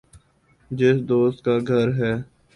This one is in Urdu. جس دوست کا گھر ہے